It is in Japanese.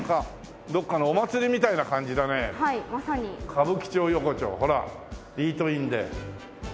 歌舞伎町横丁ほらイートインで。